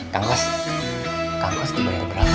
kang kos kang kos dibayar keberapa